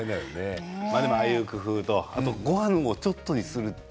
でも、ああいう工夫とごはんをちょっとにする。